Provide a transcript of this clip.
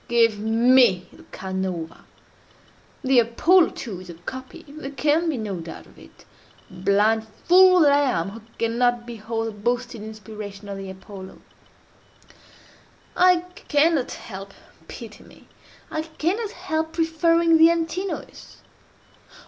Give me the Canova! The Apollo, too, is a copy—there can be no doubt of it—blind fool that I am, who cannot behold the boasted inspiration of the Apollo! I cannot help—pity me!—I cannot help preferring the Antinous.